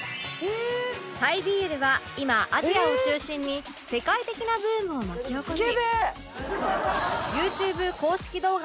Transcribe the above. タイ ＢＬ は今アジアを中心に世界的なブームを巻き起こし